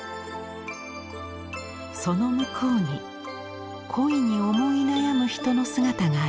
その向こうに恋に思い悩む人の姿があります。